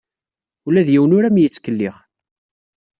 Ula d yiwen ur am-yettkellix.